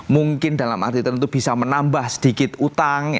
mungkin dalam arti tentu bisa menambah sedikit utang